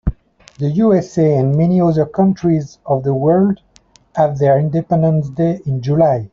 The USA and many other countries of the world have their independence day in July.